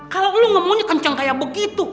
kalau lu ngomongnya kenceng kayak begitu